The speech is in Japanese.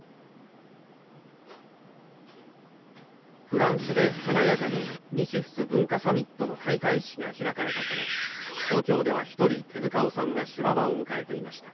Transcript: フランスで華やかに日仏文化サミットの開会式が開かれた頃東京では一人手塚治虫が修羅場を迎えていました。